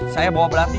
saya bawa belati